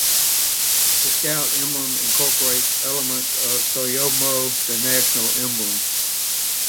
The Scout emblem incorporates elements of the "soyombo", the national emblem.